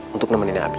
untuk nemenin nabi